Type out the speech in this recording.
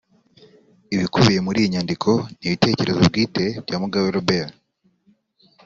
Ibikubiye muri iyi nyandiko ni ibitekerezo bwite bya Mugabe Robert